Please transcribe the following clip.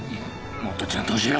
もっとちゃんと教えろ。